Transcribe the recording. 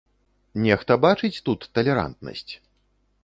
Нехта бачыць тут талерантнасць?